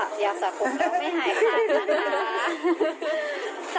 จะอย่าสระผมแล้วไม่หายครรณนะคะ